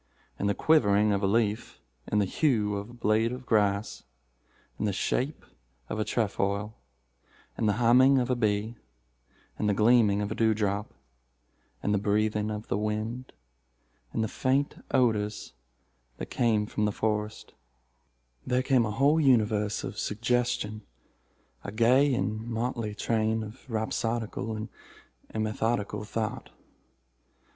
In the quivering of a leaf—in the hue of a blade of grass—in the shape of a trefoil—in the humming of a bee—in the gleaming of a dew drop—in the breathing of the wind—in the faint odors that came from the forest—there came a whole universe of suggestion—a gay and motley train of rhapsodical and immethodical thought.